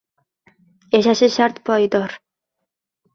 Yashashi shart poyidor.